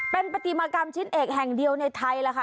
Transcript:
เป็นปฏิมากรรมชิ้นเอกแห่งเดียวในไทยล่ะค่ะ